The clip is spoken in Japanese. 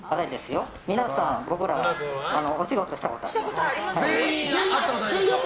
皆さん、僕らお仕事したことあります。